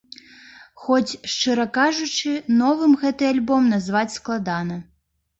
Хоць, шчыра кажучы, новым гэты альбом назваць складана.